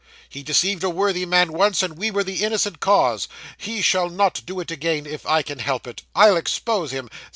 He deceived a worthy man once, and we were the innocent cause. He shall not do it again, if I can help it; I'll expose him!